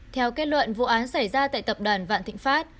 theo kết luận vụ án xảy ra tại tập đoàn vạn thịnh pháp